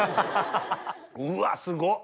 うわすごっ！